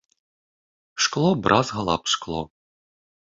Шкло бразгала аб шкло.